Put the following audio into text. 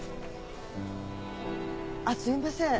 あっすいません。